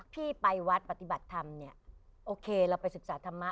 พี่ไปวัดปฏิบัติธรรมเนี่ยโอเคเราไปศึกษาธรรมะ